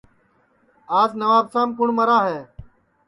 آج نوابشام کُوٹؔ مرا ہے